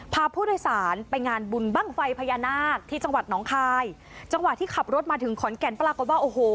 พาผู้โดยสารไปงานบุญบ้างไฟพญานาคที่จังหวัดน้องคายจังหวะที่ขับรถมาถึงขอนแก่นปรากฏว่าโอ้โห